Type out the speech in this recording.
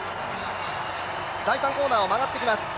第３コーナーを曲がってきます。